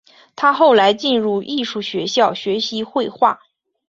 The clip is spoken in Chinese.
他后来进入艺术学校学习绘画。